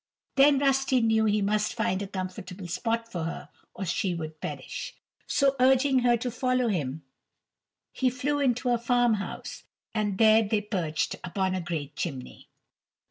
Then Rusty knew he must find a comfortable spot for her or she would perish. So, urging her to follow him, he flew to a farmhouse, and there they perched upon a great chimney.